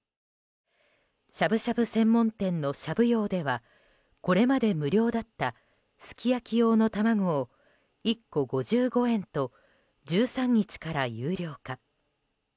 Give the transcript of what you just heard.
しゃぶしゃぶ専門店のしゃぶ葉ではこれまで無料だったすき焼き用の卵を１個５５円と１３日から有料化。